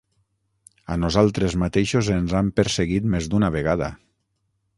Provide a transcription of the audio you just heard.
A nosaltres mateixos ens han perseguit més d'una vegada.